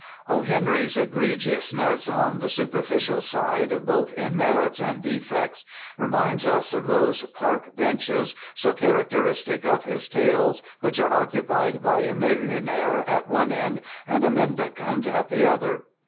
O. Henry's egregiousness, on the superficial side, both in merits and defects, reminds us of those park benches so characteristic of his tales which are occupied by a millionaire at one end and a mendicant at the other.